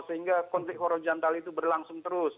sehingga konflik horizontal itu berlangsung terus